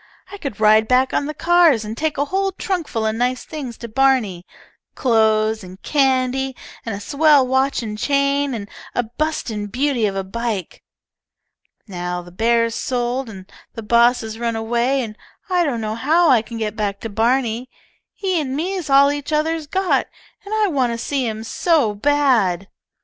I could ride back on the cars and take a whole trunk full of nice things to Barney, clothes, and candy, and a swell watch and chain, and a bustin' beauty of a bike. Now the bear's sold and the boss has run away, and I don't know how I can get back to Barney. Him an me's all each other's got, and I want to see him so bad."